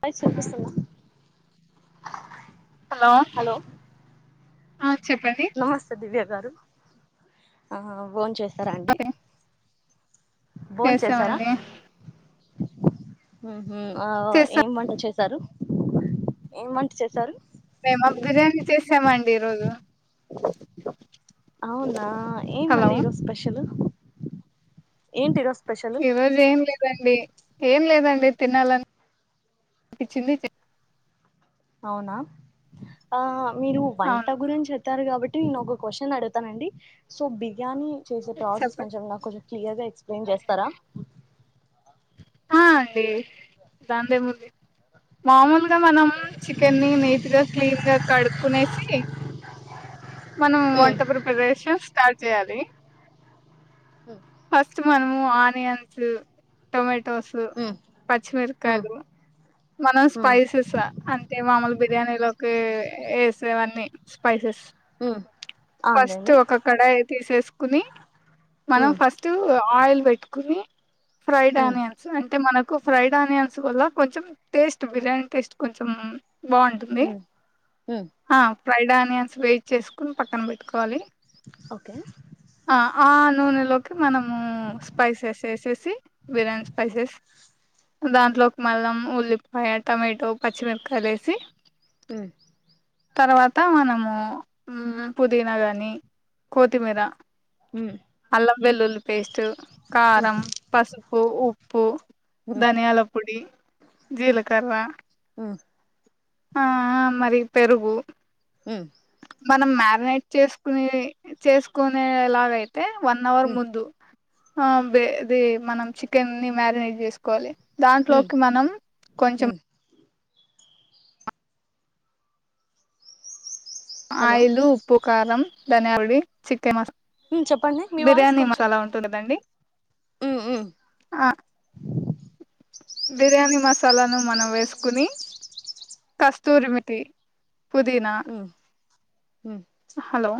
Voice వినిపిస్తుంద hello ఆ చెప్పండి నమస్తే దివ్యా గారు ఆ బా చే సరే అండి చేసామండి హ ఏం వంట చేశారు ఏమంట చేశారు రసం అండి ఈరోజు అవునా ఏమి హలో అండి ఈరోజు స్పెషల్ ఏంటి ఈరోజు స్పెషల్ ఈరోజు ఏం లేదు లేదండి ఏం లేదండి తినాలని అనిపించింది తిన్న అవునా ఆ మీరు వంట అవును గురించి చేపతారు కాబట్టి నేను ఒక క్వశ్చన్ అడుగుతానండి సో బిగానీ చేసే ప్రాసెస్ చెప్పండి కొంచెం నాకు కొంచెం క్లియర్ గా ఎక్స్ప్రెస్ చేస్తారా ఆ అండి దాందే ముంది మామూలు మనం చికెన్ నీట్గా క్లీన్ గా కడుకునేసి మనం ఉమ్, వంట ప్రిపరేషన్ స్టార్ట్ చేయాలి హ ఫస్ట్ మనము ఆనియన్స్ టొమటో టోస్ ఉమ్, ఉమ్, పచ్చిమిరకాయలు మనం ఉమ్, స్పైసెస్ అంటే మామలు బిర్యానీలో వేసే వని స్పైస్ ఉమ్, ఫస్ట్ అవునులేండి ఒక కడాయి తీసేసుకుని మనం ఉమ్, ఫస్ట్ ఆయిల్ పెట్టుకుని ఫ్రైడ్ ఉమ్, ఆనియన్స్ అంటే మన కు ఫ్రైడ్ ఆనియన్స్ వల్ల కొంచెం టేస్ట్ బిర్యానీ టేస్ట్ కొంచెం బాగుంటుంది ఉమ్, ఉమ్, ఆ ఫ్రైడ్ ఆనియన్స్ స్వే చేసుకో కుని పక్కన పెట్టుకోవాలి ఓకే ఆ ఆ నూనెలోకి మనము స్పైసెస్ వేసేసి బిర్యానీ స్పైసెస్ దాంట్లోకి అల్లం ఉల్లిపాయ టొమాటో పచ్చిమిరకాయ వేసి ఉ తర్వాత మనము ఉమ్ పుదీనా గాని కొత్తిమీర ఉమ్, ఉమ్, అల్లం వెెల్లుల్లి పేస్ట్ కారం పసుపు ఉప్పు ఉమ్ ధనియాల పొడి జీలకర్ర ఉ ఆ మరి పెరుగు ఉ మనం మ్యార్నేట్ చేసుకుని చేసుకునే ఎలాగై అయితే వన్ అవర్ ఉమ్ ముందు హ వె ఇది మనం చికెన్ని మ్యారినేట్ చేసుకోవాలి ఉమ్ దాంట్లోకి మనం కొంచం ఉమ్ హలో ఆయిలు ఉప్పు కారం ధనియాలి చికెన్ మసాలా ఉమ్ చెప్పండి మీ వాయిస్ బిర్యానీ కొంచెం మసాలా ఉంట కదా అండి ఉమ్ ఉమ్ ఆ బిర్యానీ మసాలాను మనం వేసుకుని కస్తూరిమెంతి పుదీనా హ్ హలో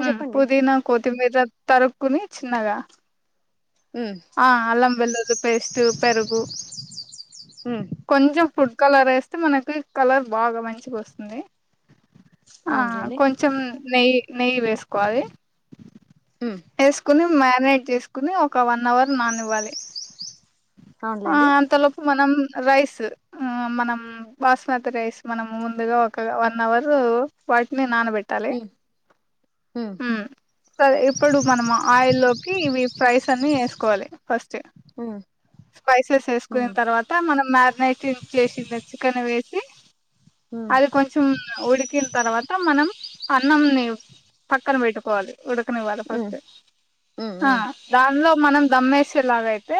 హ్ చెప్పండి పుదీనా కోత్ కొత్తిమీర తరుక్కుని చిన్నగా ఉమ్ ఆ అల్లం వెల్లుల్లి పేస్ట్ పెరుగు ఉమ్ కొంచం పుడ్ కలర్ ఏస్తే మనకి కలర్ బాగా మంచిగా వస్తుంది ఆ అవునులేండి కొంచెం నెయ్యి నెయ్యి వేసుకోవాలి ఉమ్ ఏసుకొని మ్యారినేట్ చేసుకుని ఒక వన్ అవర్ నాననివ్వాలి ఆ అవునులేండి అంత లోపు మనం రైస్ మనం బాస్మతి రైస్ మనం ముందుగా ఒక వన్ అవర్ వాటిని నానబెట్టాలి ఉమ్ ఉమ్ హ్ ఇప్పుడు మనం ఆయిల్లోకి ఇవి ఫ్రైస్ అన్నీ ఏస్ కోవాలి ఫస్ట్ ఉమ్ స్పైసెస్ ఉమ్ వేసుకునిన్ తర్వాత మనం మారినేట్ చేసిన చికెన్ వే [unintelligible] ఉమ్ అది కొంచం ఉడుకిన్ తర్వాత మనం అన్నంని పక్కన పెట్టుకోవాలి ఉడకనివ్వాలి ఉమ్ ఫస్ట్ ఉమ్ ఉమ్ దాన్లో మనం దమ్మేసేలాగైతే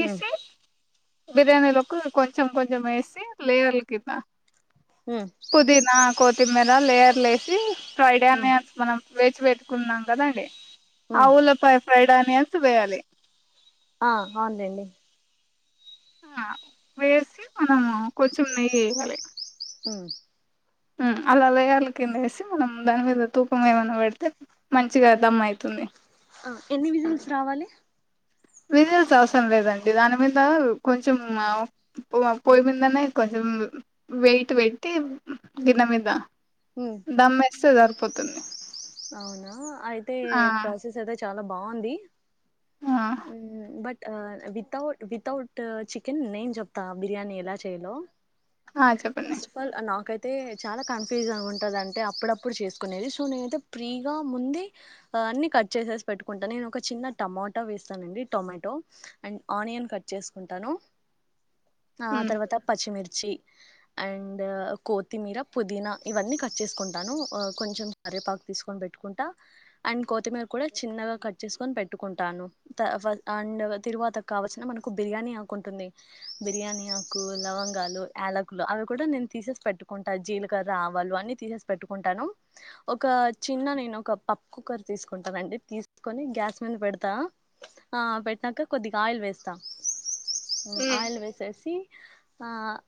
మ్ బిర్యానిలొకు కొంచెం కొంచెం వేసి లేయర్ల కింద ఉమ్ ఉమ్ పుదీనా కొత్తిమీర్ అ లెయర్లేసి ఫ్రైడ్ ఆనియన్స్ మనం వేచి పెట్టుకున్నాం కదండి ఉమ్ అవులపా ఫ్రైడ్ ఆనియన్స్ వేయాలి ఆ అవునులేండి ఆ వేసి మనము కొంచెం నెయ్యి వేయాలి మ్ ఉమ్ అలా వేయాల కింద వేసి మనం దాని మీద తూపం ఏమైనా పెడితే మంచిగా దమ్ అయితుంది అ ఎన్ని విజిల్స్ రావాలి విజిల్స అవసరం లేదండి దాని మీద కొంచెం పో ఉమ్ పోయిమిందనే కొంచెం వెయిట్ పెట్టి గిన్నె మీద ఉమ్ దమ్ ఎస్తే జార్ పోతుంది అవునా అయితే ప్రాసెస్ అదా చాలా బాగుంది ఆ బట్ వితౌట్ వితౌట్ చికెన్ నేన్ చెప్తా బిర్యానీ ఎలా చేయలో ఆ చెప్పండి ఫస్ట్ ఆఫ్ ఆల్ ఆ నాక్ అయితే చాలా కన్ఫ్యూజన్ గా ఉంటదంటే అప్పుడప్పుడు చేసుకునేది సో నేనైతే ప్రీగా ముందే అన్ని కట్ చేసేసి పెట్టుకుంటాను నేను ఒక చిన్న టమాటా వేస్తానండి టొమాటో అండ్ ఆనియన్ కట్ చేసుకుంటాను ఆ ఉమ్ తర్వాత పచ్చిమిర్ చ్చి అండ్ కోతిమీర పోదిన ఇవ్వని కట్ చేసుకుంటాను ఆ కొంచెం కరెపాకు తీసుకొని పెట్టుకుంటా అండ్ కోతిమీర కూడా చిన్నగా కట్ చేసుకని పెట్టుకుంటాను త ఫ అండ్ తరువాత కావల్సిన మనకు బిర్యానీ ఆకుంటుంది బిర్యానీ ఆకు లవంగాలు యాలుకులు అవి కూడా నేను తీసేసి పెట్టుకుంటా జీలకర్ర ఆవాలు అన్ని తీసేసి పెట్టుకుంటాను ఒక చిన్న నేను ఒక పప్ కుక్కర్ తీసుకుంటానండి తీసుకొని గ్యాస్ మీద పెడతా ఆ పెట్టినాక కొద్దిగా ఆయిల్ వేస్ మ్ ఉమ్ ఆయిల్ వేసేసి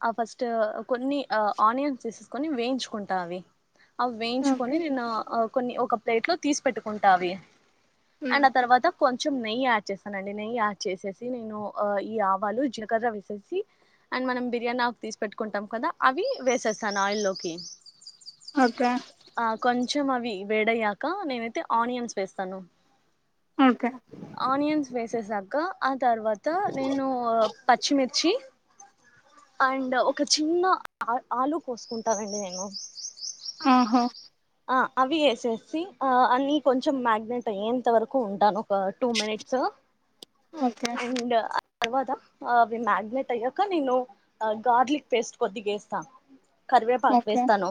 ఆ ఫస్ట్ కొన్ని ఆ ఆనియన్స్ తీసేసుకొని వేయించుకుంటా అవి అవి ఓకే వేయించుకొని నేను కొన్ని ఒక ప్లేట్ లో తీసి పెట్టుకుంటా అవి ఉమ్ అండ్ ఆ తర్వాత కొం కొంచెం నెయ్యి యాడ్ చేస్తానండి నెయ్యి యాడ్ చేసేసి ఆ నేను ఈ ఆవాలు జీలకర్ర వేసేసి అండ్ మనం బిర్యానీ ఆకు తీసి పెట్టుకుంటాం కదా అవి వేసేస్తాను ఆయిల్ల్లోకి ఓకే కొంచెం అవి వేడయ్యాక నేనైతే ఆనియన్స్ వేస్తాను ఓకే ఆనియన్స్ వేసేసామ్ ఉమ్ ఆ తర్వాత నేను పచ్చిమిర్ ఛీ అండ్ ఒక చిన్న ఆ ఆలు కోసుకుంటానండి నేను ఆ హో అ అవి యేసేసి అ అన్నీ కొంచెం మ్యాగ్నేట్ అయ్యేంత వరకు ఉంటాను వకా టూ మినిట్స్ ఓకే అండ్ తర్వాత అ అవి మాగ్నెట్ అయ్యాక నేను గార్లిక్ పేస్ట్ కొద్దిగేస్త కర్వేపాక్ ఓకే వేస్తాను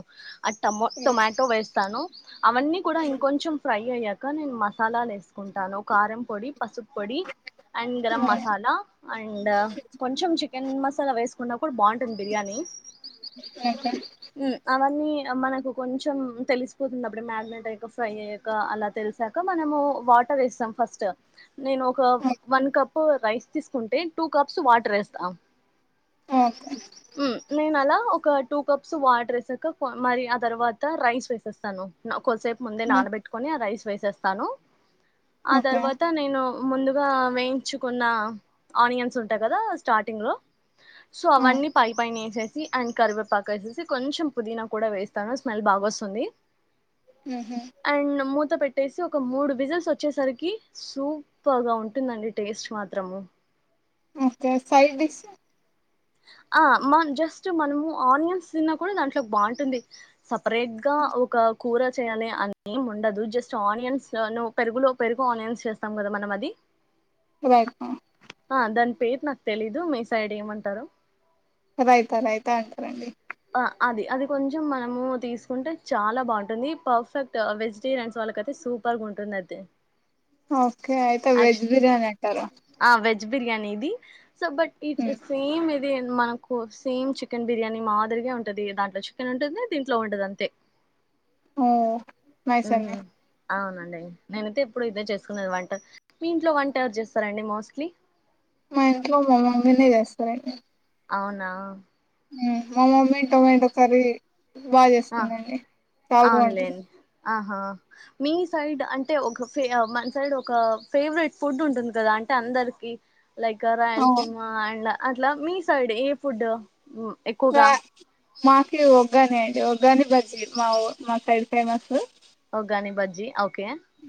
ఆ టమో టొమా ఇస్తాను అవన్నీ కూడ ఇంకొంచెం ఫ్రై ఫ్రై అయ్యాక నేను మసాలాల్ వేసుకుంటాను కారం పొడి పసుప్ పొడి అండ్ గరం మసాలా అండ్ కొంచెం చికెన్ మస ఎందుకల వేసుకున్నావ్ ఇప్పుడు బావుంటుంది బిరియాని ఉమ్ అవన్నీ అ మనకు కొంచెం జోమ్ తెలిసిపోతుందప్పుడు మాగ్నెట్ అయాక ఫ్రై అయ్యాక అలా తెలిసాక మనము వాటర్ వేస్తాం ఫస్ట్ నేను ఒక వన్ కప్ కూ రైస్ తీస్కుంటే టూ కప్స్ వాటర్ వేస్తాం ఓకే ఉమ్ నేనల ఒక టూ కప్స్ వాటర్ వేసాక కో మరి ఆ తర్వాత త రైస్ వేసేస్తాను కొంత సేప్ ముందే నానబెట్టుకొని ఆ రైస్ వేసెస్తాను ఆ ఓకే తర్వాత నేను ముందుగా వేయించుకున్న ఆనియన్స్ ఉంటాయి కదా స్టార్టింగ్ లో సో అవన్నీ పై పైన వేసేసి అండ్ కరివేపాక వేసేసి కొంచెం పుదీనా కూడా వేస్తాను స్మెల్ బాగొస్తుంది అండ్ ముత్ మూత పెట్టేసి ఒక మూడు విజిల్స్ వచ్చేసరికి సుప్పర్గ ఉంటుందండి టేస్ట్ మాత్రము ఓకే సైడ్ డిస్ ఆ మ జస్ట్ మనము ఆనియన్స్ తిన్నా కూడా దాంట్లో బావుంటుంది సెప్రేట్ గా ఒక కూర చేయాలి అని ఎమ్ ఉండదు జస్ట్ ఆనియన్స్ ను పెరుగులో పెరుగు ఆనియన్స్ చేస్తాం కదా మనం అది రేఖ [unintelligible] ఆ దాని పేరు నాకు తెలీదు మీ సైడ్ ఏమంటారో రైత రైతా అంటరండి ఆ అది అది కొంచెం మనము తీసుకుంటే చాలా బాగుంటుంది పర్ఫెక్ట్ వెజిటేరియన్స్ వాళ్ళకయితే సూపర్ గా ఉంటుంది అయితే మ్ ఓకే అయితే వెజ్ బిర్యానీ అంటారు జ్ బిర్యానీ ఇదీ సబట్టి సేమ్ ఇది మనకు సేమ్ చికెన్ బిర్యానీ మాదిరిగా ఉంటది దాంట్లో చికెన్ ఉంటుంది దీంట్లో ఉండదు అంతే [inaudible] ఓ మైసమ్మె మ్మ్ అవునండి నేనైతే ఇప్పుడు ఇదే చేసుకునేది వంట మీ ఇంట్లో వంట ఎవరు చేస్తారండి మోస్ట్లీ మా ఇంట్లో మా మమ్మీ నే చేస్తారండి అవునా మా మమ్మీ టొమాటో కర్రీ బాగా ఆ చేస్తుందండి చాలా బాగుంటది అ.. మీ సైడ్ అంటే ఒక ఫే మన సైడ్ ఒక ఫేవరెట్ ఫుడ్ ఉంటుంది కదా అంటే అందరికిీ లైక్ అవును రాయలసీమా అండ్ అట్లా మీ సైడ్ ఏ ఫుడ్ మ్ ఎక్కువగా మాకె ఒగ్గానే అండి ఒగ్గాని బజ్జీ మా మా సైడ్ ఫేమస్ ఉగాని బజ్జీ ఓక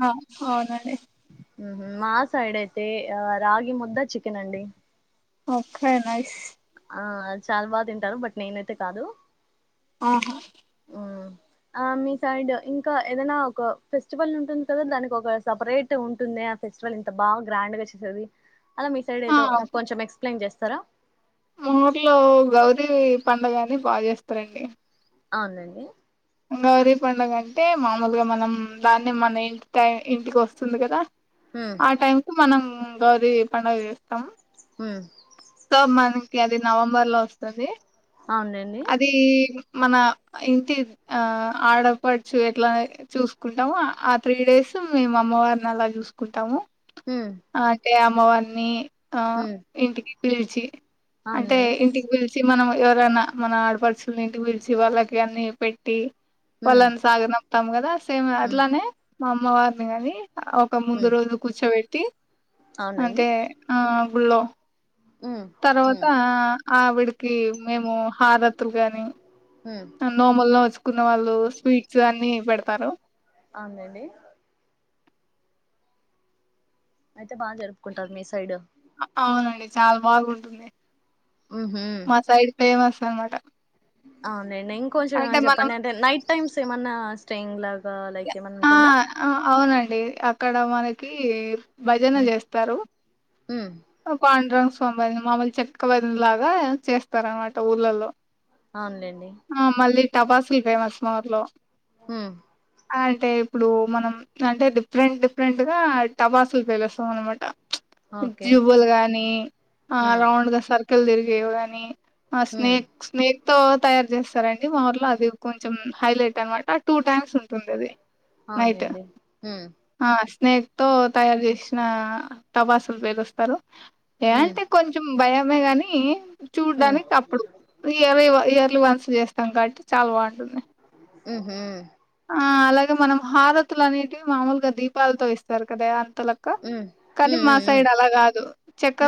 ఆ అవునండి మా సైడ్ అయితే ఆ రాగి ముద్ద చికెన్ అండి ఒకే నైస్ ఆ చాలా బాగా తింటారు బట్ నేనైతే కాదు మ్.. హుమ్ ఆ మీ సైడ్ ఇంకా ఏదైనా ఒక ఫెస్టివల్ ఉంటుంది కదా దానికి ఒక సపరేట్ ఉంటుంది ఆ ఫెస్టివల్ ఇంత బాగా గ్రాండ్గా చేసేది అలా మీ సైడ్ ఆ ఏదో నాకు కొంచం ఎక్స్ప్లెయిన్ చేస్త సర మా ఊర్లో గౌరీ పడుగ అని బాగా చేస్తారండి అవునండి గౌరీ పండుగ అంటే మామూలుగా మనం దాన్ని మన ఇంటి టై ఇంటికి వస్తుంది కదా ఉమ్ ఆ టైం కు మనం గౌరీ పండగ చేస్తాం ఉమ్ సో మనకి అది నవంబర్ లో వస్తది అవునండి అది మన ఇంటి ఆ ఆడపడ్చే ఎట్లా చూసుకుంటామో ఆ త్రీ డేస్ మేము అమ్మవారిని అలా చూసుకుంటాము ఉమ్ అకే అం మామ్మీ ఆ ఉమ్ ఇంటికి పిలిచి అంటే అవునండి ఇంటికి పిల్ ల్చి మనము ఎవరన్నా మన ఆడపడ్చుల్ [inaudible] ఇంటికి పిల్చి వాళ్ళకి అన్ని పెట్టి ఉమ్ వాళ్లన్ సాగనంపి తమ కదార్స్ సేమ్ ఉమ్ అట్లానే మామ్ మావార్ని కానీ ఒక ముందు ఉమ్ రోజు కూర్చోబెట్ తీ అవునండి అంతే ఆ ఆ బుల్లో ఉమ్ తర్వాత ఉమ్ ఆవిడికి మేము హారత్లు గాని ఉమ్ మ్మ్ నొమ్ములో వచ్ కున్న వాళ్ళు స్వీట్స్ అన్ని పెడతారు అవునండి అయితే బాగా జరుపుకుంటారు మీ సైడు అవునండి చాలా బాగుంటుంది హ్మ్ హు మా సైడ్ ఫేమస్ అన్మాట అవునండి ఇంకొంచెం చెప్పండి అంటే నైట్ టైమ్స్ ఏమన్నా స్టెంగ్ లాగ్ ఆ ఆ అవునండి అంటే అక్కడ మనకి భజన ఉమ్ చేస్తారు ఉమ్ ఆ పాండ్ రంగ్ స్వామివారి మామూలు చెక్క భజన లాగా చేస్తారన్నమాట ఊళ్ళలో అవునులేండి టపాసులు ఫేమస్ మా ఊర్లో హ్మ్ అంటే ఇప్పుడు మనం అంటే డిఫరెంట్ డిఫరెంట్ గా టపాసులు పెలుస్తాం అన్నమాట ప్చ్ ఓకే జీబుల్ గాని ఆ ఉమ్ రౌండ్గా సర్కి కిల్ దీర్గేయ్ గానీ ఆ స్నేహ ఉమ్ స్నేహ తో తయారు చేస్తారంండి వర్లో అది కొంచెం హైలైట్ అనమాట ఆ టూ టైమ్స్ ఉంది స్తుందేది అవునులేండి మ్ ఆ స్నేక్ తో తయారు చేసిన టపాసులు పేలుస్తారు ఉమ్ ఏంటే కొంచెం భయమే గాని ఉమ్ చూడ్డానికి అప్పుడు ఇయర్లీ ఇయర్లు వన్స్ చేస్తా కడ్ చలవాంటంది మ్ హ ఆ అలాగే మనం హారతులు అనేవి మామూలుగా దీపాలతో ఇస్తారు కదా లక్క ఉమ్ కానీ ఉమ్ మా ఉమ్ ఉమ్ సైడ్ అలా కాదు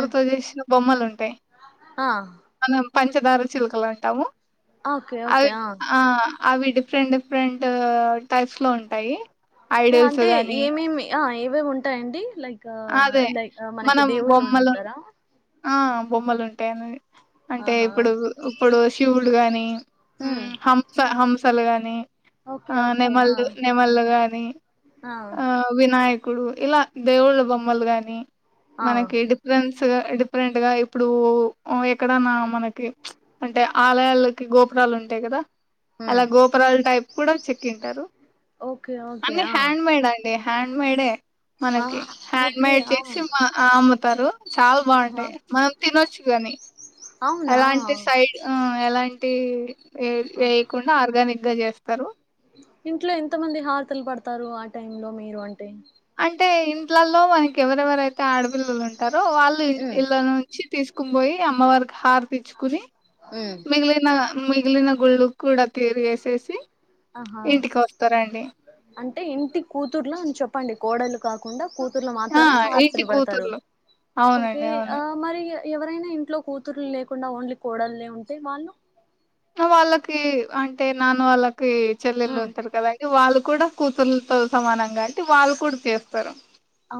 ఉమ్ చేసిన బొమ్మలు ఉంటాయి ఆ మనం పంచదార చిలుకలు అంటాము ఓకే అవి ఓకే ఆ అవి డిఫెట్ డిఫరెంట్ టైస్ లో ఉంటాయి ఐడల్స్ అంటే గాని ఏమేమి ఏ అ ఉంటాయండి లైక్ అదే ఇ లైక్ మనకి మనం దేవుళ్ళు బొమ్మలు ఉంటారా ఆ బొమ్మలు ఉంటాయి అన్నది అంటే ఆహా ఇప్పుడు ఇప్పుడు శివుడు గాని ఉమ్ హంస హంస సలు గానీ ఓకే ఆ ఓకే ఆ నెమల్లు నెమల్లుగాని అ ఆ ఇప్పుడు ఇలా దేవుళ్ళ బొమ్మలు గాని ఆ మనకి డిఫరెన్స్ ఎ అపరెంట్ గా ఇప్పుడు ఎక్కడనా మనకి అంటే ఆలయాలకి గోపురాలు ఉంటాయి కదా అలా హ్మ్ గోపురాల టైప్ కూడా చెక్ంటారు ఓకే ఓకే ఆ హాం మడే ఆ మనకి హ్యాండ్ ఓకే మేడ్ ఆ చేసి మా అమ్ముతారు చాలా బాగుంటు ఆహా మన తినొచ్చు గాని అవునా ఎలాంటి సైడ్ ఆ ఎలాంటి దే ఏ ఆ! వెేయికుడా ఆర్గానిక్ గా చేస్తారు ఇంట్లో ఎంత మంది హారతలు పడతారు ఆ టై లో మీరు అంటే అంటే ఇంట్లలో మనకి ఎవరెవరైతే ఆడపిల్లులు ఉంటారు తో వాళ్ళు ఉమ్ ఇళ్ళ నుంచి తీసుకు ఉక్కు పోయి అమ్మవారికి హారతించుకొని ఉమ్ మిగిలిన మిగిలిన గుళ్ళు కూడా తీరి వేసేసి ఆహా అంటే ఇంటి కూతుర్లో అని చెప్పండి కోడలు కాకుండా కూతుర్లు ఆ మాత్రమే ఇంటి హారతులు పడతారు కూతుర్లు ఓకే అవునండి అవును ఆ మరి ఎవరైనా ఇంట్లో కూతుర్లు లేకుండా ఓన్లీ కోడలునే ఉంటే వాళ్ళు వాళ్ళకి అంటే నాన్న వాళ్ళకి చెల్లెలు ఉమ్ ఉంటారు కదండీ వాళ్ళు కూడ కూతురుతో సమానం కాబట్టి వాళ్ళు కూడా చేస్తారు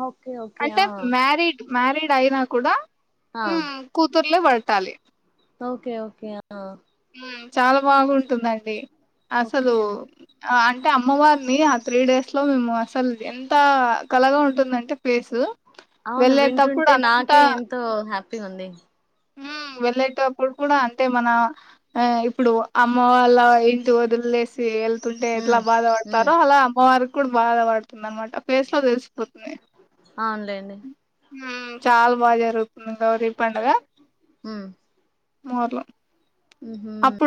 ఓకే ఓకే అంటే ఆ మ్యారీడ్ మ్యారీడ్ అయినా కూడా ఆ ఇలపట్టాలి ఓకే ఓకే ఆ చాలా బాగుంటుందండి అసలు ఓకే అ అంట అంటే అమ్మవారిని ఆ త్రీ డేస్ లో మేము అసలు ఎంత కలగా ఉంటుందంటే ప్లేసు అవును వెళ్ళేటప్పుడు వింటుంటే నాకే అంతా ఎంతో హ్యాపీగా ఉంది వెళ్ళేటప్పుడు కూడా అంతే మన ఆ ఇప్పుడు అమ్మ వాళ్ళ ఏంటి వదిలేలేసి వె తుండే ఎట్లా హ్మ్ హ్మ్ బాధపడతారో అలా అమ్మవారికి కూడా బాధ పడుతుంది అనమాట ఫేస్ లో తెలిసిపోతుంది అవునులేండి. చాలా బాగా జరుగుతుంది గౌరి పండుగ మరి మ్మ్ హ్మ్